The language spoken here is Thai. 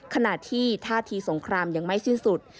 ขณะที่ท่าทีสงครามยังไม่สิ้นสุด